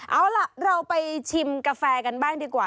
เอาล่ะเราไปชิมกาแฟกันบ้างดีกว่า